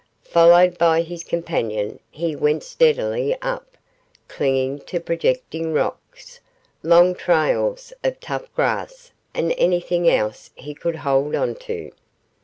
Followed by his companion, he went steadily up, clinging to projecting rocks long trails of tough grass and anything else he could hold on to.